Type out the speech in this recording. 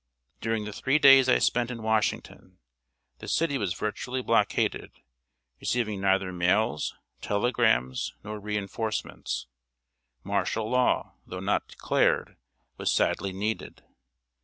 During the three days I spent in Washington, the city was virtually blockaded, receiving neither mails, telegrams, nor re enforcements. Martial law, though not declared, was sadly needed.